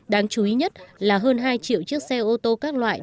đáng chú ý nhất là hơn hai triệu chiếc xe ô tô các loại